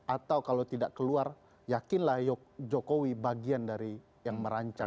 atau kalau tidak keluar yakinlah jokowi bagian dari yang merancang